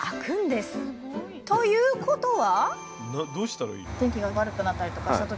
ということは！